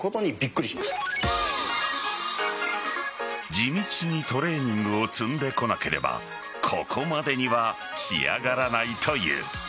地道にトレーニングを積んでこなければここまでには仕上がらないという。